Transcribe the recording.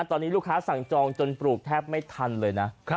ตอนนี้ลูกค้าสั่งจองจนปลูกแทบไม่ทันเลยนะ